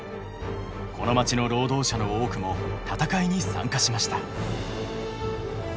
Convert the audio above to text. この街の労働者の多くも闘いに参加しました。